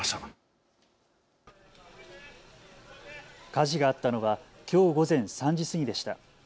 火事があったのはきょう午前３時過ぎでした。